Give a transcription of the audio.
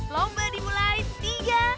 lomba dimulai tiga dua satu